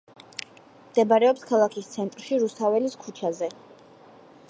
მდებარეობს ქალაქის ცენტრში, რუსთაველის ქუჩაზე.